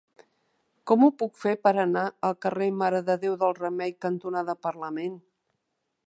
Com ho puc fer per anar al carrer Mare de Déu del Remei cantonada Parlament?